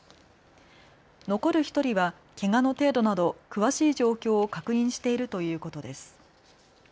残る１人はけがの程度など詳しい状況を確認しているということです。